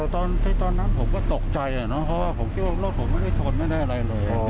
ตอนนั้นผมก็ตกใจเพราะว่าผมคิดว่ารถผมไม่ได้ชนไม่ได้อะไรเลย